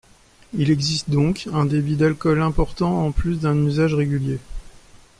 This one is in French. Il existe donc un débit d'alcool important en plus d'un usage régulier.